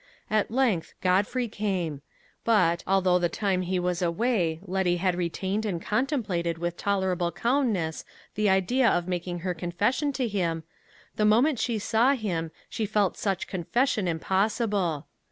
At length Godfrey came. But, although all the time he was away Letty had retained and contemplated with tolerable calmness the idea of making her confession to him, the moment she saw him she felt such confession impossible.